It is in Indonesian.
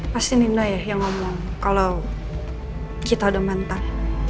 pasti nino ya yang ngomong kalau kita udah mantan